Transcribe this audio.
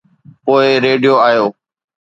پوءِ ريڊيو آيو.